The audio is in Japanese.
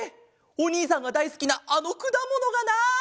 おにいさんがだいすきなあのくだものがない！